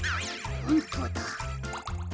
ほんとだ。